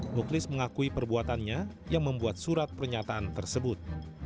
muklis mengakui perbuatannya yang membuat surat pernyataan tersebut